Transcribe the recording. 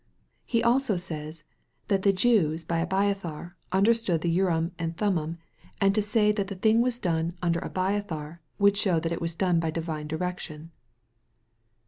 He also says, that the Jews by "Abiathar" understood the Urim and Thummim, and to say that the thing was done " under Abiathar" would show that it was done by divine direction.